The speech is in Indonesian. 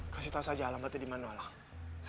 beritahu saja alamatnya di mana alang